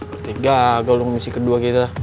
berarti gagal lo misi kedua kita